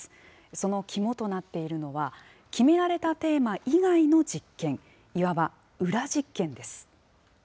その肝となっているのは、決められたテーマ以外の実験、いわば裏実験です。